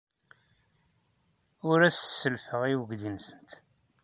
Ur as-sellfeɣ i weydi-nsent.